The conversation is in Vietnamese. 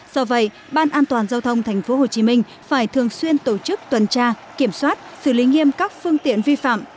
do vậy ban an toàn giao thông tp hcm phải thường xuyên tổ chức tuần tra kiểm soát xử lý nghiêm các phương tiện vi phạm